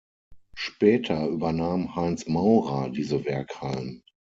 Später übernahm Heinz Maurer diese Werkhallen.